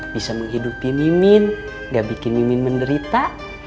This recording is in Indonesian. bisa menghidupi mimin gak bikin nimin menderita